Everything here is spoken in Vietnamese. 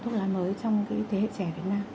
thuốc lá mới trong thế hệ trẻ việt nam